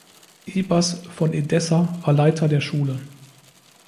Ibas von Edessa war Leiter der Schule.